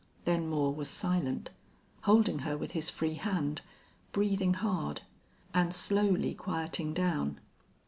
Then Moore was silent, holding her with his free hand, breathing hard, and slowly quieting down.